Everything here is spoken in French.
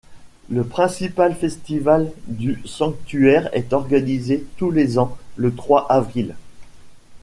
Le principal festival du sanctuaire est organisé tous les ans le trois avril.